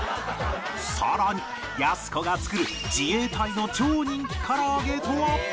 さらにやす子が作る自衛隊の超人気唐揚げとは？